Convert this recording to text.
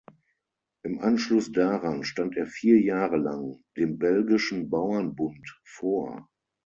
Im Anschluss daran stand er vier Jahre lang dem Belgischen Bauernbund vor.